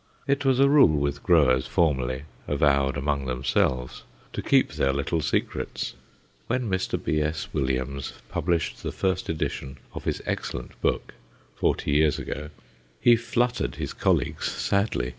It was a rule with growers formerly, avowed among themselves, to keep their little secrets. When Mr. B.S. Williams published the first edition of his excellent book forty years ago, he fluttered his colleagues sadly.